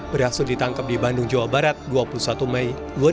berhasil ditangkap di bandung jawa barat dua puluh satu mei dua ribu dua puluh